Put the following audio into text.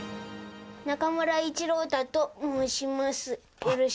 中村一朗太と申します。